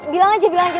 bilang aja bilang aja